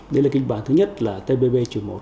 đấy là kịch bản thứ nhất là tpp một